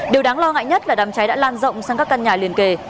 điều đáng lo ngại nhất là đám cháy đã lan rộng sang các căn nhà liền kề